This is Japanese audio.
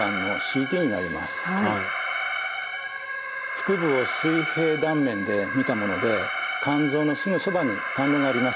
腹部を水平断面で見たもので肝臓のすぐそばに胆のうがあります。